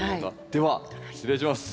では失礼します。